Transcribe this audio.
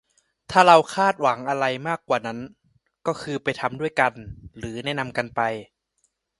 ส่วนถ้าคาดหวังอะไรมากกว่านั้นก็คือไปทำด้วยกันหรือแนะนำกันไป